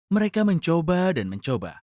mereka mencoba dan mencoba